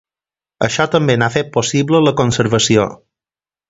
Això també n'ha fet possible la conservació.